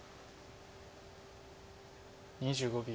２５秒。